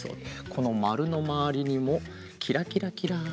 このまるのまわりにもキラキラキラ。